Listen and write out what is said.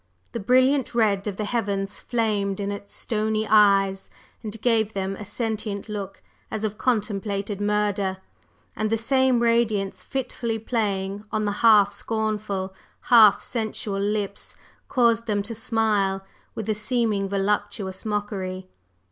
The brilliant red of the heavens flamed in its stony eyes, and gave them a sentient look as of contemplated murder, and the same radiance fitfully playing on the half scornful, half sensual lips caused them to smile with a seeming voluptuous mockery.